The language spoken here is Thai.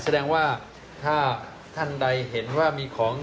แสดงว่าถ้าท่านใดเห็นว่ามีของ